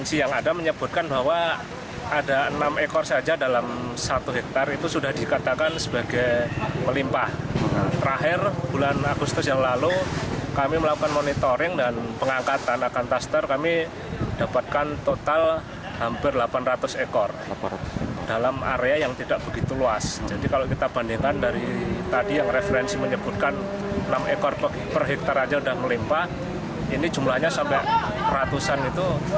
ini jumlahnya sampai ratusan itu bisa dikatakan sebagai terjadi ledakan populasi seperti itu